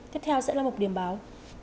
tiếp theo sẽ là một điểm báo